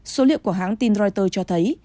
số liệu của hãng tin reuters cho thấy